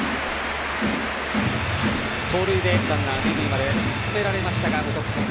盗塁でランナー、二塁まで進められましたが無得点。